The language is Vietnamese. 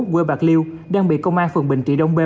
quê bạc liêu đang bị công an phường bình trị đông bê